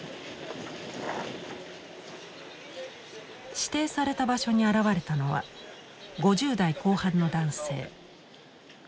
指定された場所に現れたのは５０代後半の男性。